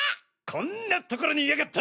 こんなところにいやがった！